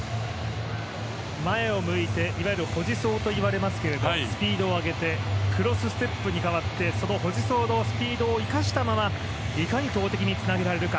前を向いていわゆる保持走といわれますがスピードを上げてクロスステップに変わってその保持走のスピードを生かしたままいかに投てきにつなげられるか。